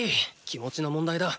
気持ちの問題だ。